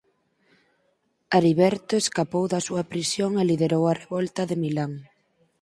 Ariberto escapou da súa prisión e liderou a revolta de Milán.